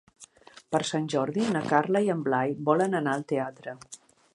Per Sant Jordi na Carla i en Blai volen anar al teatre.